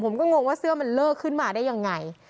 งงว่าเสื้อมันเลอร์ขึ้นมาได้ยังไง